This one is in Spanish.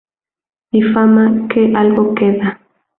Difama, que algo queda